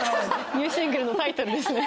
ニューシングルのタイトルですね。